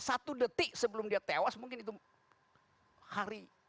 satu detik sebelum dia tewas mungkin itu hari